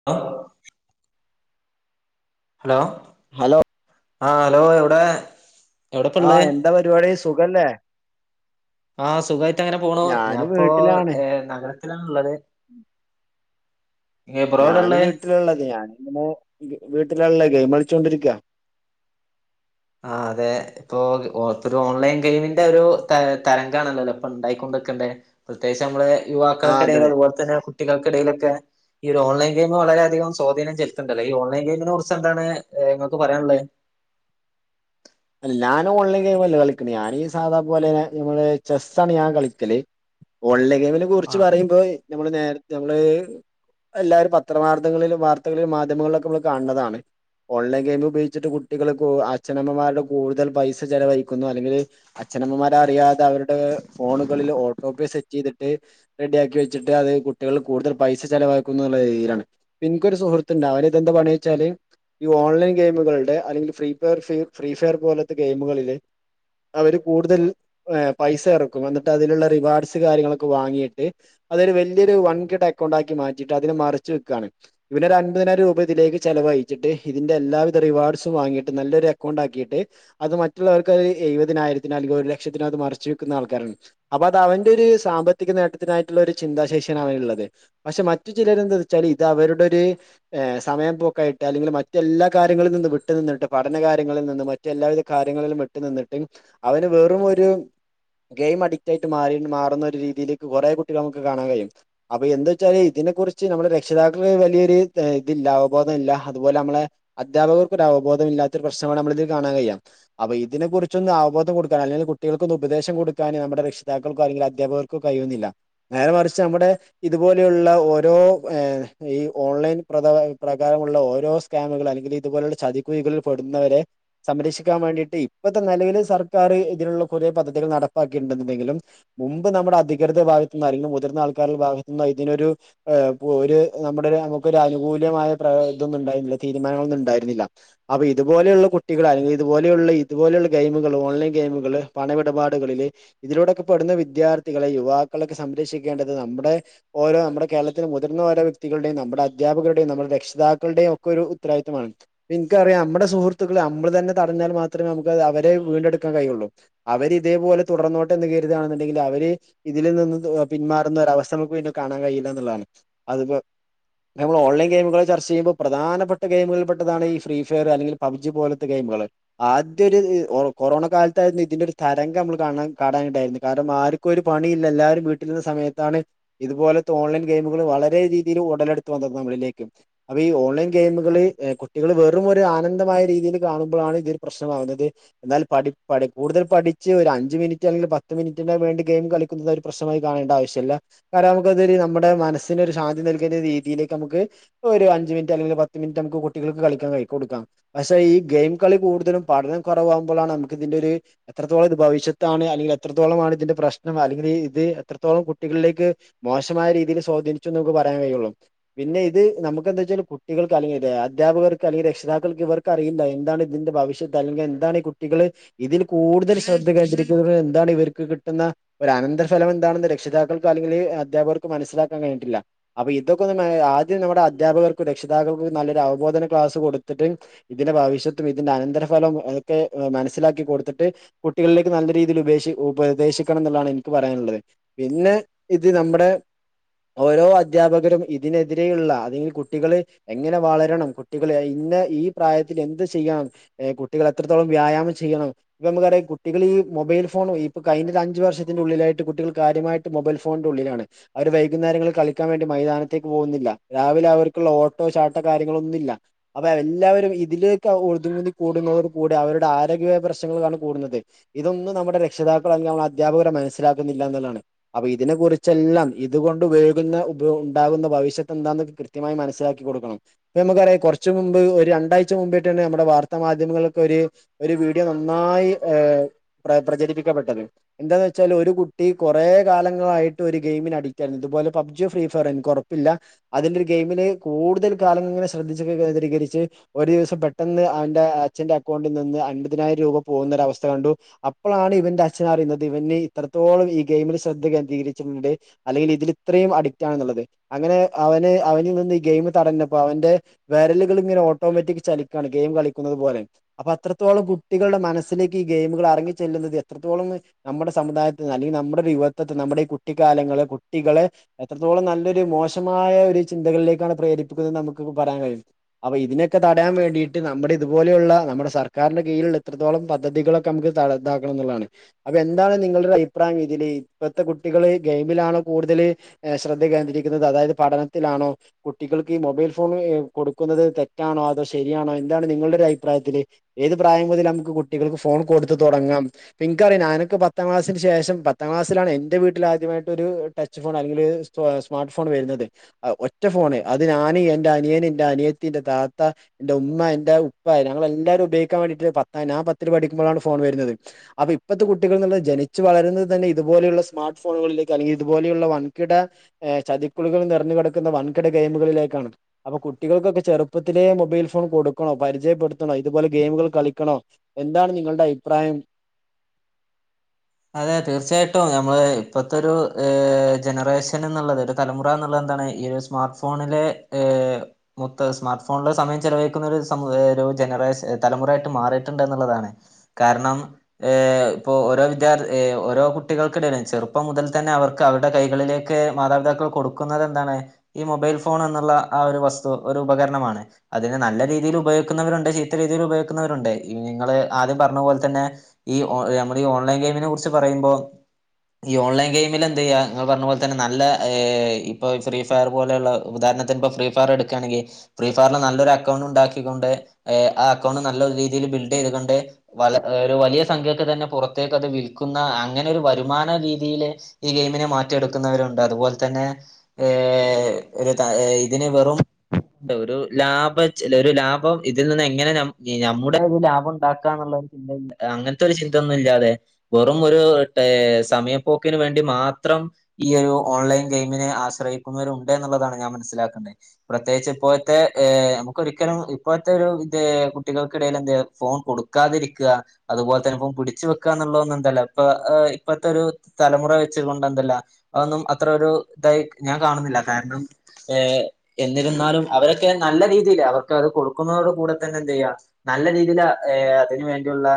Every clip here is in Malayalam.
[inaudible] ഹലോ. ഹലോ... ആ ഹലോ എവിടെ? ആഹ എവിടെപ്പള്ളേ എന്താ പരിപാടി, സുഖല്ലേ? ആഹ സുഖമായിട്ട അങ്ങനെ പോണു, ഞാന് ഞാൻപ്പോ വീട്ടിലാണ് നഗര- ണള്ളത്. ബ്രോ ഞൻ എവിടെള്ളേ വീട്ടിലുള്ളത്, ഞാന് ഇങ്ങനെ വീട്ടിലുള്ള ഗെയിം- കളിച്ചോണ്ടിരിക്കുവ. ആഹാ അതെ. ഇപ്പോ, ഇപ്പ ഓൺലൈൻ- ഗെയിമിന്റെ ഒരു തരംഗാണല്ലോല്ലോ, ഇപ്പോ ഉണ്ടായിക്കൊണ്ട് വക്കണ്ടേ. പ്രത്യേകിച്ച് നമ്മള്- ആ യുവാക്കൾക്കിടയിൽ, അതെ അതുപോലെ തന്നെ കുട്ടികൾക്കിടയിലൊക്കെ. ഈ ഓൺലൈൻെയിം വളരെധികം സ്വാധീനം ചെുണ്ടല്ല, ഓൺലൈൻ ഗയിമിനെ കുറി എന്താണ്ങ്ങൾക്ക് പറയാനുള്ളത്? അ ഞാൻ ഓൺലൈൻ ഗെയിം- അല്ലേ കളിക്കണ, ഞാനീ ഈ സാധപോലെന്ന ഞമ്മള് ചെസ്സണ് ഞാൻ കളിക്കല്. ഓൺലൈൻ ഗെയിമിനെ കുറിച്ച് ആ പറയുമ്പോ, നമ്മള് നേരത്തെ നമ്മള്, എല്ലാവരും പത്രവാർത്തങ്ങളിലും വാർത്തകളിലും, മാധ്യമങ്ങളിലൊക്കെ നമ്മൾ- കാണതാണ്. ഓൺലൈൻ ഗെയിം ഉപയോഗിച്ചിട്ട്, കുട്ടികൾക്ക് അച്ഛനമ്മമാരുടെ കൂടുതൽ പൈസ ചലവഴിക്കുന്നു. അല്ലെങ്കിൽ, അച്ഛനമ്മമാര അറിയാതെ അവരുടെ ഫോണുകളിൽ ഓട്ടോ പെ സെറ്റ് ചെയ്തിട്ട്- റെഡിയാക്കി വെച്ചിട്ട് അത് കുട്ടികൾ കൂടുതൽ പൈസ ചെിലവാക്കുള്ള രീതിയിലാണ്. പിനിക്കൊരു സുഹൃത്തുഉണ്ട് അവര് ഇത് എന്താണച്ചാല്. ഈ ഓൺലൈൻ ഗെയിമുകളുടെ, അല്ലെങ്കിൽ ഫ്രീ ഫെയർ, ഫ്രീ ഫയർ പോലത്തെ ഗെയിമുകളില്- അവര് കൂടുതൽ പൈസ ഇറക്കും, എന്നിട്ട് അതിലുള്ള റിവാർഡ്സ് കാര്യങ്ങളൊക്കെ വാങ്ങിയിട്ട്. അതൊരു വലിയൊരു വൺകിട- അക്കൗണ്ടാക്കി മാറ്റിയിട്ട് അതിനെ മറിച്ചു വെക്കുകയാണ്. ഇവന ഒരു അൻപതിനായിരം രൂപ ഇതിലക്ക് ചലവഴച്ചി ഇതിന്റെ എല്ലാവിധ റിവാർഡ്സും വങ്ങിയിട്ട്, നല്ലൊ അക്കൗണ്ട് ആക്കിയിട്ട്, അത് മറ്റുള്ളവർക്ക് അത്- എഴുപതിനായിരത്തിനോ, അല്ലെങ്കിൽ ഒരു ലക്ഷത്തിനോ, അത് മറിച്ച് വെക്കുന്ന- ആൾക്കാരാണ്. അപ്പൊ അത് അവന്റെ ഒരു സാമ്പത്തിക നേട്ടത്തിനായിട്ടുള്ള- ഒരു ചിന്താശേഷിയാണ് അവന ഉള്ളത്. പക്ഷെ മറ്റു ചിലരെന്താ വെച്ചാല്, ഇത് അവരുടെ ഒര് - സമയ പൊക്കായിട്ട് അല്ലെങ്കിൽ, മറ്റെല്ലാ കാര്യങ്ങളിൽ നിന്നും വിട്ടു, നിന്നിട്ട് പഠന കാര്യങ്ങളിൽ നിന്ന്- എല്ലാവിധ കാര്യങ്ങളിലും ഇട്ട്- നിന്നിട്ടും അവന് വെറും ഒരു- ഗെയിം അഡിക് ആയിട്ട് മാറി, മാറുന്ന ഒരു രീതിയിലേക്ക് കുറെ- കുട്ടികൾ നമു കാണാൻ കഴിയും. അപ്പൊ എന്ത വച്ചാല് ഇതിനെ കുറിച്ച് നമ്മള് രക്ഷിതാക്കൾക്ക്, വലിയൊരു ഇത് ഇല്ല, അവബോധം ഇല്ല, അതുപോലെ നമ്മളെ- അധ്യാപകർക്ക് ഒരു അവ ബോധ മല്ലാത്ത പ്രശ്നമാണ് കാണാൻ കഴിയാ. അപ്പോ ഇതിനെ കുറിച്ചൊന്ന്, അവബോധം കൊടുക്കൻ അല്ലെങ്ക കുട്ടികൾക്കൊന്ന് ഉപദേശം- കൊക്കാന് നമ്മ രക്ഷിക്കക്കോ അല്ലെങ്ക അധ്യാപർ കഴിയുന്നില്ല. നേരെ മറിച്ച് നമ്മുടെ- ഇതുപോലെയുള്ള ഓരോ, ഈ ഓൺലൈൻ പ്രകാരമുള്ള ഓരോ- ക്യാമുകൾ, അല്ലെങ്കിൽ ഇതുപോലുള്ള ചതികുഴികളിൽ പെടുന്നവരെ- സംരക്ഷിക്കാൻ വേണ്ടീട്ട് ഇപ്പത്തെ നിലവിൽ സർക്കാറ് ഇതിന്ള്ള കൊറേ പദ്ധതികൾ നടപ്പാക്കിട്ടണ്ടന്ന് ഇണ്ടെങ്കിലും മുമ്പ് നമ്മുടെ അധികൃത ഭാഗത്തുന്ന് അല്ലെങ്കിൽ മുതിർന്ന ആൾക്കാരുടെ ഭാഗത്തു നിന്ന് ഇതിനൊരു ഒര് നമ്മുടെ നമുക്കൊരു അനുകൂലമായ പ്ര ഇതൊന്നും ഉണ്ടായിര്ന്നില്ല തീരുമാനങ്ങളൊന്നും ഇണ്ടായിര്ന്നില്ല അപ ഇതുപോലെയുള്ള കു കുട്ടികള് അല്ലെ ഇതുപോലെയുള്ള ഇതുപോലെയുള്ള ഗെയിമുകള് ഓൺലൈൻ ഗെയിമുകള് പണ ഇടപാടുകളില് ഇതിലൂടെക്ക പെടുന്ന വിദ്യാർത്ഥികളെ യുവാക്കളൊക്ക സംരക്ഷിക്കേണ്ടത് നമ്മ്ടെ ഓരോ നമ്മുടെ കേരളത്തിലെ മുതിർന്ന ഓരോ വ്യക്തികളുടെയും നമ്മുടെ അധ്യാപകരുടെയും നമ്മുടെ രക്ഷിതാക്കളുടെയും ഒക്കെ ഒരു ഉത്തരവാദിത്തമാണ് ഇൻക്ക് അറിയാ നമ്മുടെ സുഹൃത്തുക്കള് നമ്മള് തന്നെ തടഞ്ഞാൽ മാത്രമേ നമുക്ക് അവരെ വീണ്ടെടുക്കാൻ കഴിയുള്ളു അവര് ഇതേപോലെ തുടർന്നോട്ടെ എന്ന് കരുതാണെന്നുണ്ടെങ്കിൽ അവര് ഇതിൽ നിന്ന് പിന്മാറുന്ന ഒരവസ്ഥ നമുക്ക് പിന്നെ കാണാൻ കഴിയില്ല എന്നുള്ളതാണ് അതിപ്പോ നമ്മള് ഓൺലൈൻ ഗെയിമുകൾ ചർച്ച ചെയുമ്പോൾ പ്രധപ്പെട്ട ഗെയിമുകളിൽ പെട്ടതാണ് ഈ ഫ്രീ ഫയർ അല്ലെങ്കിൽ പബ് ജി പോലത്തെ ഗെയിമകള് ആദ്യ ഒരു കൊറോണ കാലത്തായിരുന്നു ഇതിന്റെ ഒരു തരംഗം നമ്മൾ കാണാൻ കാണാണ്ടായിരുന്ന കാരണം ആര് ക്കും ഒരു പണില്ല എല്ലാരും വീട്ടിലിരുന്ന സമയത്താണ് ഇതുപോലത്ത ഓൺലൈൻ ഗെയിമുകൾ വളരെ രീതിയിൽ ഉടലെടുത്തു വന്നത് നമ്മളിലേക്ക് അപ്പൊ ഈ ഓൺലൈൻ ഗെയിമുകള് കുട്ടികൾ വെറും ഒരു ആനന്ദമായി രീതീല് കാണുമ്പളാണ് ഇതൊരു പ്രശ്നമാകുന്നത് എന്നാൽ പഠി കൂടുതൽ പഠിച്ച് ഒരു അഞ്ച് മിനിറ്റ് അല്ലെങ്കില് പത്ത് മിനിറ്റിന് വേണ്ടി ഗെയിം കളി- ക്കുന്നതൊര് പ്രശ്നമായി കാണേണ്ട ആവശ്യല്ല കാരം നമ്മക്കത് നമ്മടെ മനസ്സിനൊരു ശാന്തി നൽകുന്ന രീതിയിലേക്ക് ഞമ്മക്ക് ഒരു അഞ്ച് മിനിറ്റ് അല്ലെങ്കിലാ പത്ത് മിനിറ്റ് നമുക്ക് കുട്ടികൾക്ക് കളിക്കാൻ കയ്യി കൊടുക്കാം പക്ഷെ ഈ ഗെയിം കളി കൂടുതലും പഠനം കൊറവാവ്മ്പളാണ് നമ്മക്ക് ഇതിന്റൊര് എത്രത്തോളം ഇത് ഭവിഷത്താണ് അല്ലെങ്കി എത്രത്തോളമാണ് ഇതിന്റെ പ്രശ്നം അല്ലെങ്കിൽ ഇത് എത്രത്തോളം കുട്ടികളിലേക്ക് മോശമായ രീതീല് സ്വാധീനിച്ചു നമക്ക് പറയാൻ കയ്യൊള്ളു പിന്നെ ഇത് നമക്ക് എന്താ വെച്ചാല് കുട്ടികൾക്ക് അല്ലെങ്കി അധ്യാപകർക്ക് അല്ലെങ്കി രക്ഷിതാക്കൾക്ക് ഇവർ ഇൻക്ക് അറിയില്ല എന്താണ് ഇതിന്റെ ഭവിഷ്യത്ത് അല്ലെങ്കി എന്താണ് ഈ കുട്ടികള് ഇതിൽ കൂടുതൽ ശ്രദ്ധ കേന്ദ്രരിക്കുന്നത് എന്താണ് ഇവർക്ക് കിട്ടുന്ന ഒരു അനന്തരഫലം എന്താണെന്ന് രക്ഷിതാക്കൾക്ക് അല്ലെങ്കിൽ അധ്യപകർക്ക് മനസ്സിലാക്കാൻ കഴിഞ്ഞിട്ടില്ല അപ്പൊ ഇതൊക്ക ഒന്ന് ആദ്യം നമ്മടെ അധ്യാപകർക്കും രക്ഷിതാക്കൾക്കും നല്ലൊരു അവ്ബോധന ക്ലാസ് കൊട്ത്ത്ട്ട് ഇതിന്റെ ഭാവിശത്തും ഇതിന്റെ അനന്തരഫലവും അതൊക്കെ മനസ്സിലാക്കി കൊടുത്തിട്ട് കുട്ടികളിലേക്ക് നല്ല രീതില് ഉപേശി ഉപദേശിക്കണം ന്ന്ള്ളതാണ് എൻക്ക് പറയാള്ളത് പിന്ന ഇത് നമ്മടെ ഓരോ അദ്ധ്യാപകരും ഇതിനെതിരെയുള്ള അല്ലെങ്കിൽ കുട്ടികള് എങ്ങനെ വളരണം കുട്ടികളെ ഇന്ന ഈ പ്രായത്തില് എന്ത് ചെയ്യണം ഏഹ് കുട്ടികള് എത്രത്തോളം വ്യായാമം ചെയ്യ്ണു ഇപ്പൊ നമുക്കറിയ കുട്ടികള് ഈ മൊബൈൽ ഫോണും ഇപ്പ കഴിഞ്ഞൊരു അഞ്ച് വർഷത്തിന്റെ ഉള്ളിലായിട്ട് കുട്ടികൾ കാര്യമായി ട്ട് മൊബൈൽ ഫോണിന്റെ ഉള്ളിലാണ് അവർ വൈകുന്നേരങ്ങളിൽ കളിക്കാൻ വേണ്ടി മൈതാനത്തേക്ക് പോകുന്നില്ല രാവിലെ അവർക്കുള്ള ഓട്ടോ ചാട്ടോ കാര്യങ്ങളൊന്നില്ല അപ എല്ലാവരും ഇതിലേക്ക് ഓടുന്നത് കൂടുന്നവര് കൂട അവരുടെ ആരോഗ്യപരമായ പ്രശ്നങ്ങൾ കാരണം കൂടുന്നത് ഇതൊന്നും നമ്മുടെ രക്ഷിതാക്കൾ അല്ലെങ്കി അധ്യാപകര് മനസ്സിലാക്ക്ന്നില്ല എന്ന്ള്ളതാണ് അപ്പ ഇതിനെ കുറിച്ചെല്ലാം ഇതുകൊണ്ട് ഉപയോഗികുന്ന ഉപ ഇണ്ടാക്ന്ന ഭവിഷത്ത് എന്താന്ന് കൃ കൃത്യമായി മനസ്സിലാക്കി കൊട്ക്കണം ഇപ്പ ഞമ്മക്കറിയ കൊറ്ച്ച് മുമ്പ് ഒര് രണ്ടാഴ് ച്ച മുമ്പെറ്റേണ് നമ്മടെ വാർത്താ മാധ്യമങ്ങൾക്കൊര് വീഡിയോ നന്നായി ഏഹ് പ്ര പ്രചരിപ്പിക്കപ്പെട്ടത് എന്താന്ന് വെച്ചാല് ഒരു കുട്ടി കൊറേ കാലങ്ങളായിട്ട് ഒരു ഗെയിമിന് അഡിറ്റായിരുന്നു ഇതുപോലെ പബ് ജി ഫ്രീ ഫയർ ഇൻക്ക് ഒറപ്പില്ല അതിന്റെ ഒരു ഗെയിമില് കൂടുതൽ കാലം ഇങ്ങനെ ശ്രദ്ധിച്ചൊക്ക കേന്ദ്രീകരിച്ച് ഒരു ദിവസം പെട്ടെന്ന് അവന്റെ അച്ഛന്റെ അക്കൗണ്ടി നിന്ന് അൻപതിനായിരം രൂപ പോകുന്ന ഒരവസ്ഥ കണ്ടു അപ്പളാണ് ഇവന്റെ അച്ഛൻ അറിയുന്നത് ഇവന്ന് ഇത്രത്തോളം ഈ ഗെയിമിൽ ശ്രദ്ധ കേന്ദ്രകരിച്ചിട്ടുണ്ട് അല്ലെങ്കിൽ ഇതില് ഇത്രീം അഡിക്റ്റാണ്ന്ന്ള്ളത് അങ്ങനെ അവന് അവനിൽ നിന്ന് ഈ ഗെയിം തടഞ്ഞപ്പോ അവന്റെ വരലുകൾ ഇങ്ങനെ ഓട്ടോമാറ്റിക് ചലിക്കാണ് ഗെയിം കളിക്കുന്നത് പോലെ അപ്പൊ അത്രത്തോളം കുട്ടികളുടെ മനസ്സിലേക്ക് ഈ ഗെയിമുകൾ അറങ്ങി ചെല്ലുന്നത് എത്രത്തോളന്ന് നമ്മുടെ സമുദായത്തില് അല്ലെങ്കിൽ നമ്മുടെ ഒരു യുവത്തതിൽ നമ്മുടെ ഈ കുട്ടിക്കാലങ്ങള് കുട്ടികള് എത്രത്തോളം നല്ലൊരു മോശമായ ഒരു ചിന്തകളിലേക്കാണ് പ്രേരിപ്പിക്കുന്നത് നമുക്ക് ഇപ്പൊ പറയാൻ കഴിയും അപ്പൊ ഇതിനൊക്കെ തടയാൻ വേണ്ടിയിട്ട് നമ്മുടെ ഇതുപോലെയുള്ള നമ്മുടെ സർക്കാന്റെ കീഴിൽ എത്രത്തോളം പദ്ധതികളൊക്കെ നമുക്ക് ത തണതാക്കണം എന്നുള്ളതാണ് അപ്പൊ എന്താണ് നിങ്ങളുടെ ഒരു അഭിപ്രായം ഇതില് ഇപ്പഴത്തെ കുട്ടികള് ഗെയിമിലാണോ കൂടുതല് ശ്രദ്ധ കേന്ദ്രീക്കരിക്കുന്നത് അതായത് പഠനത്തിലാണോ കുട്ടികൾക്ക് ഈ മൊബൈൽ ഫോൺ കൊടുക്കുന്നത് തെ തെറ്റാണോ അതോ ശരിയാണോ എന്താണ് നിങ്ങളുടെ ഒരു അഭിപ്രായത്തില് ഏത് പ്രായം മുതല് നമുക്ക് കുട്ടികൾക്ക് ഫോൺ കൊടുത്ത് തുടങ്ങാം പിൻക്കറിയോ ഞാനൊക്കെ പത്താം ക്ലാസ്സിന് ശേഷം പത്താം ക്ലാസ്സിലാണ് എന്റെ വീട്ടില് ആദ്യമായിട്ട് ഒരു ടച്ച് ഫോൺ അല്ലെങ്കില് സ്മാർട്ട് ഫോൺ വരുന്നത് ഒറ്റ ഫോണ് അത് ഞാന് എന്റെ അനിയന് എന്റെ അനിയത്തിന്റെ താ ഇത്താ എന്റെ ഉമ്മ എന്റെ ഉപ്പാ ഞങ്ങളെല്ലാരും ഉപയോഗിക്കാൻ വേണ്ടിട്ട് പത്താ ഞാൻ പത്തില് പഠിക്കുമ്പോഴാണ് ഫോൺ വരുന്നത് അപ്പൊ ഇപ്പഴത്തെ കുട്ടികൾ എന്നുള്ള ജനിച്ചു വളരുന്നത് തന്നെ ഇതുപോലെയുള്ള സ്മാർട്ട് ഫോണുകളിലേക്ക് അല്ലെങ്കിൽ ഇതുപോലെയുള്ള വൻകിട ചതിക്കുളികൾ നിറഞ്ഞ കിടക്കുന്ന വൻകിട ഗെയിമുകളിലേക്കാണ് അപ്പൊ കുട്ടികൾക്കൊക്കെ ചെറുപ്പ ഇപ്പത്തിലെ മൊബൈൽ ഫോൺ കൊടുക്കണോ പരിചയപ്പെടുത്തണോ ഇതുപോലെ ഗെയിമുകൾ കളിക്കണോ എന്താണ് നിങ്ങളുടെ അഭിപ്രായം അതെ തീർച്ചയായിട്ടും നമ്മള് ഇപ്പഴത്തെ ഒരു ജനറേഷൻ എന്നുള്ളത് ഒരു തലമുറ എന്നുള്ളത് എന്താണ് ഈ ഒരു സ്മാർട്ട് ഫോണിലെ മൊത്തം സ്മാർട്ട് ഫോണിലെ സമയം ചിലവഴിക്കുന്ന ഒരു സമൂഹ ഒരു ജനറേഷ തലമുറയായിട്ട് മാറിയിട്ടുണ്ട് എന്നുള്ളതാണ് കാരണം ഏയ് ഇപ്പോ ഓരോ ഓരോ കുട്ടികൾക്കിടയിലും ചെറുപ്പം മുതൽ തന്നെ അവർക്ക് അവരുടെ കൈകളിലേക്ക് മാതാപിതാക്കൾ കൊടുക്ക നോക്കുന്നത് എന്താണ് ഈ മൊബൈൽ ഫോൺ എന്നുള്ള ആഹ് ഒരു വസ്തു ഒരു ഉപകരണമാണ് അതിനെ നല്ല രീതിയിൽ ഉപയോഗിക്കുന്നവരുണ്ട് ചീത്ത രീതിയിൽ ഉപയോഗിക്കുന്നവരുണ്ട് നിങ്ങള് ആദ്യം പറഞ്ഞ പോലെ തന്നെ ഈ ഓ നമ്മുടെ ഈ ഓൺലൈൻ ഗെയിമിനെ കുറിച്ച് പറയുമ്പോൾ ഈ ഓൺലൈൻ ഗെയിമില് എന്തെയാ നിങ്ങള് പറഞ്ഞ പോലെ തന്നെ നല്ല ഇപ്പൊ ഫ്രീ ഫയർ പോലെയുള്ള ഉദാഹരണത്തിന് ഇപ്പം ഫ്രീ ഫയർ എടുക്കയാണെങ്കി ഫ്രീ ഫയറിൽ നല്ലൊരു അക്കൗണ്ട് ഉണ്ടാക്കിക്കൊണ്ട് ആഹ് അക്കൗണ്ട് നല്ല രീതിയിൽ ബിൽഡ് ചെയ്തുകൊണ്ട് [unintelligible] ഒരു വലിയ സംഖ്യക്കൊ തന്നെ പുറത്തേക്ക് അത് വിൽ വിൽക്കുന്ന അങ്ങനെ ഒരു വരുമാന രീതിയില് ഈ ഗെയിമിനെ മാറ്റിയെടുക്കുന്നവരുണ്ട് അതുപോലെ തന്നെ ഏഹ് ഒരു ഇതിന് വെറും ഒരു ലാഭം ഒരു ലാഭം ഇതിൽ നിന്ന് എങ്ങനെ നമ്മുടെ ഇത് ലാഭം ഉണ്ടാക്കാ എന്നുള്ളത് അങ്ങനത്തെ ഒരു ചിന്തൊന്നും ഇല്ലാതെ വെറും ഒരു ടേ സമയപ്പോക്കിന് വേണ്ടി മാത്രം ഈ ഒരു ഓൺലൈൻ ഗെയിമിനെ ആശ്രയിക്കുന്നവരുണ്ട് എന്നുള്ളതാണ് ഞാൻ മനസ്സിലാക്കുന്നേ പ്രത്യേകിച്ച് ഇപ്പോഴത്തെ ഏയ്‌ നമുക്കൊരിക്കലും ഇപ്പോഴത്തെ ഒരു ഇത് കുട്ടികൾക്കിടയില് എന്ത് ഫോൺ കൊടുക്കും കൊടുക്കാതിരിക്കുക അതുപോലെ തന്നെ ഇപ്പം പിടിച്ചു വെക്കാ എന്നുള്ളത് എല്ല ഇപ്പൊ ഇപ്പഴത്തെ ഒരു തലമുറ വെച്ചുകൊണ്ട് എന്തെല്ലാം അതൊന്നും അത്ര ഒരു ഇതായി ഞാൻ കാണുന്നില്ല കാരണം ഏ എന്നിരുന്നാലും അവരൊക്കെ നല്ല രീതിയിയില് അവർക്ക് അത് കൊടുക്കുന്നതോട് കൂടെ തന്നെ എന്ത് ചെയ്യാ നല്ല രീതിയില് അതിന് വേണ്ടിയുള്ള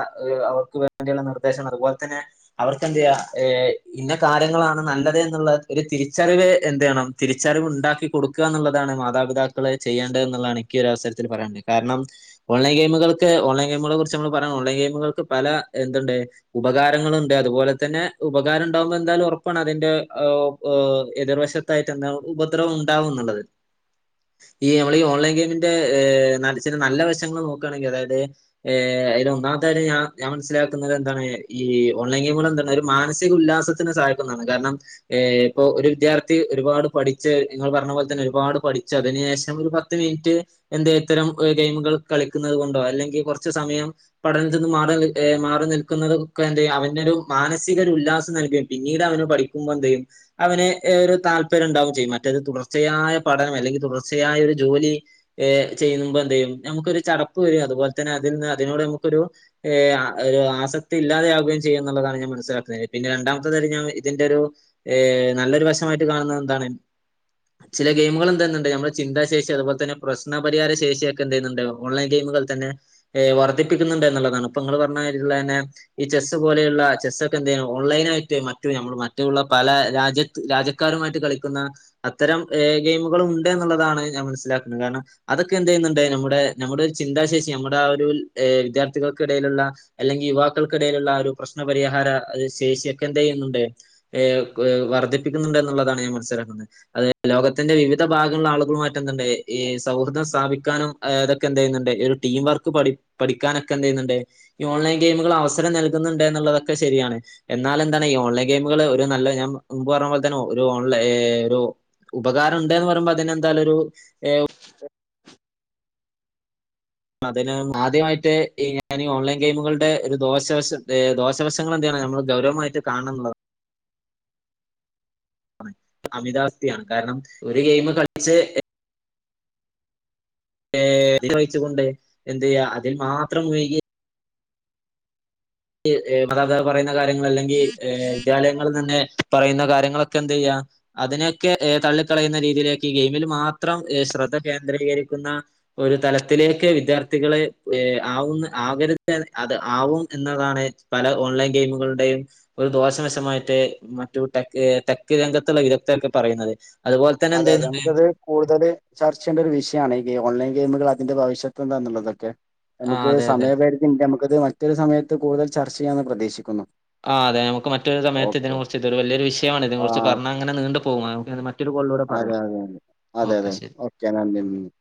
അവർക്ക് വേണ്ടിയുള്ള നിർദ്ദേശം അതുപോലെ തന്നെ അവർക്ക് എന്തെയാ ഏഹ് ഇന്ന് കാര്യങ്ങളാണ് നല്ലത് എന്നുള്ള ഒരു തിരിച്ചറിവ് എന്ത് ചെയ്യണം തിരിച്ചറിവ് ഉണ്ടാക്കി കൊടുക്കുക എന്നുള്ളതാണ് മാതാപിതാക്കള് ചെയ്യേണ്ടത് എന്നുള്ളേ എനിക്ക് ഒരു അവസരത്തിൽ പറയാനത് കാരണം ഓൺലൈൻ ഗെയിമുകൾക്ക് ഓൺലൈൻ ഗെയിമുകളെ കുറിച്ച് നമ്മള് പറയാം ഓൺലൈൻ ഗെയിമുകൾക്ക് പല എന്തുണ്ട് ഉപകാരങ്ങളുണ്ട് അതുപോലെ തന്നെ ഉപകാരം ഉണ്ടാകുമ്പോൾ എന്തായാലും ഉറപ്പാണ് അതിന്റെ എതിർവശത്തായിട്ട് എന്താണ് ഉപദ്രവം ഉണ്ടാവും എന്നുള്ളത് ഈ നമ്മള് ഈ ഓൺലൈൻ ഗെയിമിന്റെ ഇച്ചിരി നല്ല വശങ്ങള് നോക്കുകയാണെങ്കിൽ അതായത് ഏഹ് അതിൽ ഒന്നാമത്തെ കാര്യം ഞാൻ ഞാൻ മനസ്സിലാക്കുന്നത് എന്താണ് ഈ ഓൺലൈൻ ഗെയിമുകൾ എന്താണ് ഒരു മാനസിക ഉല്ലാസത്തിന് സഹായക്കുന്നാണ് കാരണം ഇപ്പൊ ഒരു വിദ്യാർത്ഥി ഒരുപാട് പഠിച്ച് നിങ്ങൾ പറഞ്ഞ പോലെ തന്നെ ഒരുപാട് പഠിച്ചു അതിനു ശേഷം ഒരു പ പത്ത് മിനിറ്റ് എന്താ ഇത്തരം ഗെയിമുകൾ കളിക്കുന്നത് കൊണ്ടോ അല്ലെങ്കിൽ കൊറച്ച് സമയം പഠനത്തി നിന്ന് മാറി മാറി നിൽക്കുന്നതും ക്കെന്തേ അവനൊരു മാനസിക ഒരു ഉല്ലാസം നൽകും പിന്നീട് അവന് പഠിക്കുമ്പോൾ എന്ത ചെയ്യും അവന് ഒരു താല്പര്യം ഉണ്ടാവുകയും ചെയ്യും മറ്റേത് തുടർച്ചയായ പഠനം അല്ലെങ്കിൽ തുടർച്ചയായ ഒരു ജോലി ഏ ചെയ്യുമ്പോ എന്ത് ചെയ്യും നമുക്കൊരു ചടപ്പ് വരും അതുപോലെ തന്നെ അതിൽ നിന്ന് അതിനോട് നമുക്കൊരു ഏയ് ഒരു ആസക്ത് ഇല്ലാതെയാവുകയും ചെയ്യും എന്നുള്ളതാണ് ഞാൻ മനസ്സിലാക്കുന്നത് പിന്നെ രണ്ടാമത്തെത ഞാൻ ഇതിന്റെ ഒരു ഏയ് നല്ലൊരു വശമായിട്ട് കാണുന്നത് എന്താണ് ചില ഗെയിമുകൾ എന്തെന്നണ്ട് നമ്മള് ചിന്താശേഷി അതുപോലതന്നെ പ്രശ്നപരിഹാര ശേഷിയൊക്കെ എന്ത്‌ചെയ്യുന്നുണ്ട്‌ ഓൺലൈൻ ഗെയിമുകൾ തന്നെ ഏ വർധിപ്പിക്കുന്നുണ്ട് എന്നുള്ളതാണ് അപ്പൊ നിങ്ങൾ പറഞ്ഞള്ളെനെ ഈ ചെസ്സ് പോലുള്ള ചെസ്സ്ക്കെന്ത ഓൺലൈന ആയിട്ട് മറ്റു നമ്മൾ മറ്റുള്ള പല രാജ്യ രാജക്കാരുമായിട്ട് കളിക്കുന്ന അത്തരം ഗെയിമുകളും ഉണ്ട് എന്നുള്ളതാണ് ഞാൻ മനസ്സിലാക്കുന്നത് കാരണം അതൊക്കെ എന്ത് ചെയ്യുന്നുണ്ട് നമ്മുടെ നമ്മുടെ ചിന്താശേഷി നമ്മുടെ ആഹ് ഒരു വിദ്യാർത്ഥികൾക്കിടയിലുള്ള അല്ലെങ്കിൽ യുവാക്കൾക്കിടയിലുള്ള ഒരു പ്രശ്നപരിഹാര ശേഷിയക്കെ എന്ത ചെയ്യുന്നുണ്ട് ഏ വർധിപ്പിക്കുന്നുണ്ട് എന്നുള്ളതാണ് ഞാൻ മനസ്സിലാക്കുന്നത് അത ലോകത്തിന്റെ വിവിധ ഭാഗങ്ങളുള്ള ആളുകള്മായിട്ട് എന്തുണ്ട് ഈ സൗഹൃദം സ്ഥാപിക്കാനും അതൊക്കെ എന്ത്‌ ചെയ്യുന്നുണ്ട് ഒരു ടീം വർക്ക് പഠിക്കാനൊക്കെ എന്ത ചെയ്യുന്നുണ്ട് ഈ ഓൺലൈൻ ഗെയിമുകൾ അവസ് അവസരം നൽകുന്നുണ്ട് എന്നുള്ളതൊക്കെ ശരിയാണ് എന്നാല എന്താണ് ഈ ഓൺലൈൻ ഗെയിമുകള് ഒരു നല്ല ഞാൻ മുമ്പ് പറഞ്ഞ പോലെ തന്നെ ഒരു ഓൺല ഒരു ഉപകാരം ഉണ്ടന്ന് പറയുമ്പോൾ അതിനെന്താല ഒരു [unintelligible] അതിന് ആദ്യമായിട്ട് ഞാൻ ഈ ഓൺലൈൻ ഗെയിമുകളുടെ ഒരു ദോഷവശത്ത ദോശ് ശവശങ്ങൾ എന്തയ്യണം നമ്മൾ ഗൗരമായിട്ട് കാണണമെന്നുള്ളതാ അമിതാവസ്തിയാണ് കാരണം ഒരു ഗെയിംകളിച്ച് ഏയ് വഹിച്ച് കൊണ്ട് എന്ത് ചെയ്യ അതിൽ മാത്രം മുഴുകി താതാർ പറയുന്ന കാര്യങ്ങൾ അല്ലെങ്കിൽ വിദ്യാലയങ്ങ തന്നെ പറയുന്ന കാര്യങ്ങളൊക്കെ എന്ത ചെയ്യാ അതിനൊക്കെ തള്ളിക്കളയുന്ന രീതിയിലേക്ക് ഈ ഗെയിമിൽ മാത്രം ശ്രദ്ധ കേന്ദ്രീകരിക്കുന്ന ഒരു തലത്തിലേക്ക് വിദ്യാർത്ഥികളെ ഏ ആവുന്ന ആകരുത് അത് ആവും എന്നതാണ് പല ഓൺലൈൻ ഗെയിമുകളുടെയും ഒരു ദോഷവശമായിട്ട് മറ്റു ടെക്ക് ടെക്ക് രംഗത്തുള്ള വിദഗ്ധർക്കെ പറയുന്നത് അതുപോലെ തന്നെ എന്ത് അതെ അതെ ചെയ്യുന്നുണ്ട് നമുക്കത് കൂടുതൽ ചർച്ച ചെയ്യേണ്ട ഒരു വിഷയാണ് ഈ ഓൺലൈൻ ഗെയിമുകൾ അതിന്റെ ഭവിഷ്യത്ത് എന്താന്നുള്ളതൊക്കെ ആ നമുക്ക് അതെ അതെ സമയപരിധിണ്ട് നമുക്കത് മറ്റൊരു സമയത്ത് കൂടുതൽ ചർച്ച ചെയ്യാന്ന് പ്രതീക്ഷിക്കുന്നു ആഹ് അതെ നമുക്ക് മറ്റൊര് സമയത്ത് ഓക്കെ ഇതിന ഓക്കെ കുറിച്ച്തൊരു വലിയരു വിശയമാണ് ഇതിനെ കുറിച്ച് ആഹ് പറഞ്ഞങ്ങനീണ്ട് പോവും മ അതെ അതെ അതെ അതെ അതെ ശരി ഓക്കെ നന്ദി യുണ്ട്